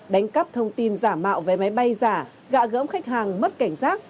đánh cắp thông tin giả mạo vé máy bay giả gạ gẫm khách hàng mất cảnh giác